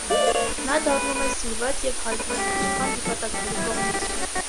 Նա դառնում է սիրված և հարգված իշխան հպատակների կողմից։